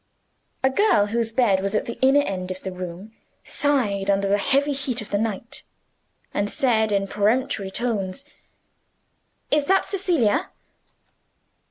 A girl, whose bed was at the inner end of the room, sighed under the heavy heat of the night and said, in peremptory tones, "Is that Cecilia?"